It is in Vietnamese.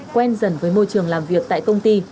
quen dần với môi trường làm việc tại công ty